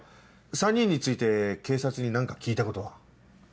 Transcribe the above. ３人について警察に何か聞いたことは？